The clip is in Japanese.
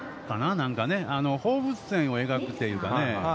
なんかね、放物線を描くというかね。